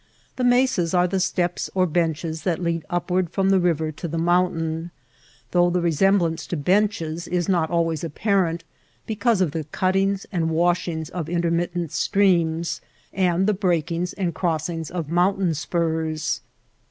The mesas are the steps or benches that lead upward from the river to the mountain, though the resemblance to benches is not always apparent because of the cuttings and washings of intermittent streams, and the breakings and crossings of mountain spurs.